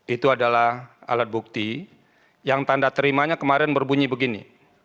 itu adalah alat bukti yang tanda terimanya kemarin berbunyi begini